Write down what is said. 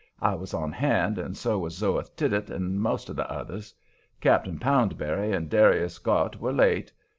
I was on hand, and so was Zoeth Tiddit and most of the others. Cap'n Poundberry and Darius Gott were late.